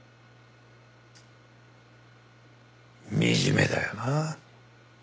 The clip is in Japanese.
惨めだよな。